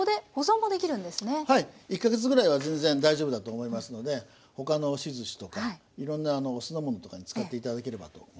１か月ぐらいは全然大丈夫だと思いますので他の押しずしとかいろんなお酢の物とかに使っていただければと思います。